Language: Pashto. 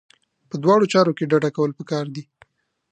په دواړو چارو کې ډډه کول پکار دي.